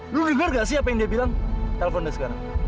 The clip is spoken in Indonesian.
lu dengar gak sih apa yang dia bilang telepon dia sekarang